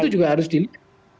itu juga harus dilihat